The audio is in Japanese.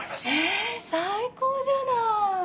え最高じゃない！